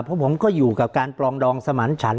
เพราะผมก็อยู่กับการปรองดองสมันฉัน